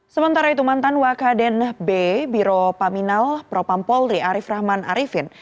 sementara itu mantan wakaden b biro paminal propampolri arief rahman arifin